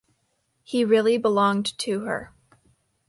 He really belonged to her.